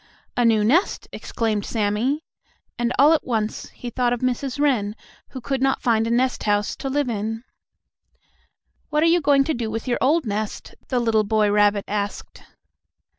"A new nest!" exclaimed Sammie, and, all at once, he thought of Mrs. Wren, who could not find a nest house to live in. "What are you going to do with your old nest?" the little boy rabbit asked.